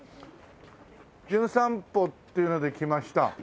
『じゅん散歩』っていうので来ました。